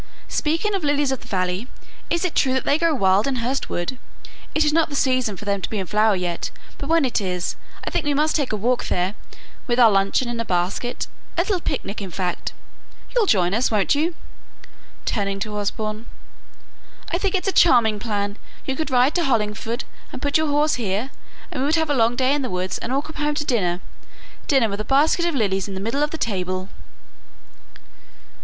"Speaking of lilies of the valley, is it true that they grow wild in Hurst Wood? It is not the season for them to be in flower yet; but when it is, I think we must take a walk there with our luncheon in a basket a little picnic in fact. You'll join us, won't you?" turning to Osborne. "I think it's a charming plan! You could ride to Hollingford and put up your horse here, and we could have a long day in the woods and all come home to dinner dinner with a basket of lilies in the middle of the table!"